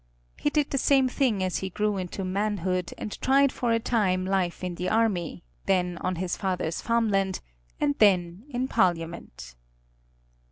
He did the same thing as he grew into manhood, and tried for a time life in the army, then on his father's farmland, and then in Parliament.